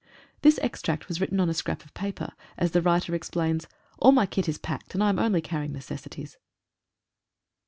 (This extract was written on a scrap of paper, as the writer explains — "All my kit is packed, and I am orly carrying necessities.")